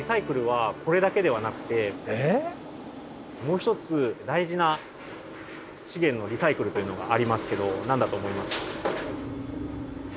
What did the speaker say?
実はもう一つ大事な資源のリサイクルというのがありますけど何だと思いますか？